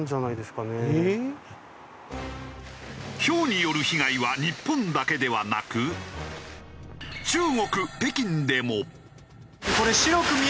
雹による被害は日本だけではなく中国北京でも。